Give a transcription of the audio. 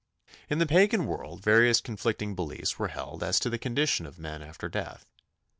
In the Pagan world various conflicting beliefs were held as to the condition of men after death.